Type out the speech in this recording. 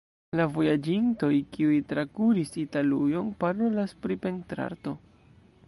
La vojaĝintoj, kiuj trakuris Italujon, parolas pri pentrarto.